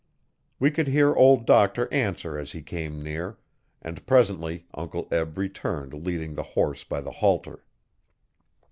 We could hear Old Doctor answer as he came near, and presently Uncle Eb returned leading the horse by the halter.